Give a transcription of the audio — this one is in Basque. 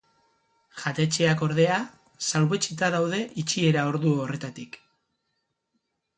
Jatetxeak, ordea, salbuetsita daude itxiera ordu horretatik.